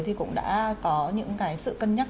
thì cũng đã có những cái sự cân nhắc